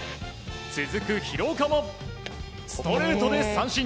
続く廣岡もストレートで三振。